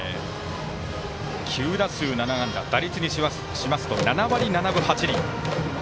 ９打数７安打打率にしますと７割７分８厘。